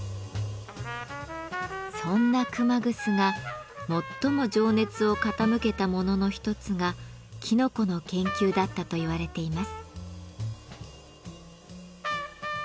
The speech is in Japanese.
そんな熊楠が最も情熱を傾けたものの一つがきのこの研究だったと言われています。